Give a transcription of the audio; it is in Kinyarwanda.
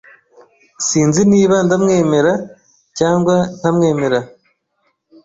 Sinzi niba ndamwemera cyangwa ntamwemera.